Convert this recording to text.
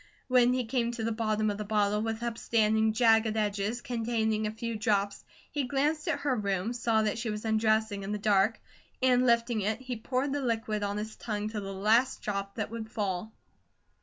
When he came to the bottom of the bottle with upstanding, jagged edges, containing a few drops, he glanced at her room, saw that she was undressing in the dark, and lifting it, he poured the liquid on his tongue to the last drop that would fall.